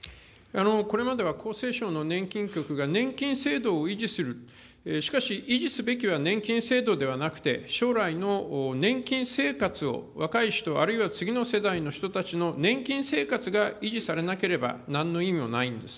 これまでは厚生省の年金局が、年金制度を維持する、しかし、維持すべきは年金制度ではなくて、将来の年金生活を、若い人、あるいは次の世代の人たちの年金生活が維持されなければなんの意味もないんです。